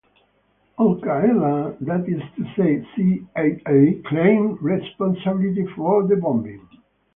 Al-Qaeda claimed responsibility for the bombing.